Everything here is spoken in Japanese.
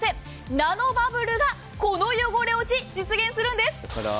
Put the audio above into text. ナノバブルがこの汚れ落ち、実現するんです！